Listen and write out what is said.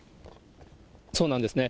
そうなんですね。